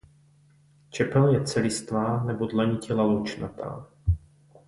Čepel je celistvá nebo dlanitě laločnatá.